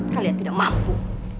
kalian tidak mampu